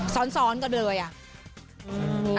ซ้อนกันเลยอ่ะ